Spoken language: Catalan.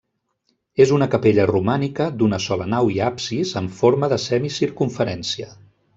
És una capella romànica d'una sola nau i absis en forma de semicircumferència.